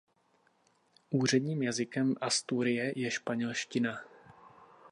Úředním jazykem Asturie je španělština.